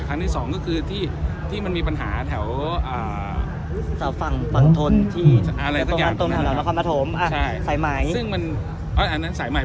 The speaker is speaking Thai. ครั้งที่สองก็คือที่ที่มันมีปัญหาแถวอ่าสาวฝั่งฝั่งทนที่อันนั้นสักอย่างอันนั้นสายใหม่